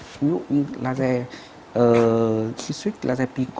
ví dụ như laser